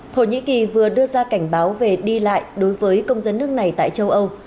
thổ nhĩ kỳ vừa đưa ra cảnh báo về đi lại đối với công dân nước này tại châu âu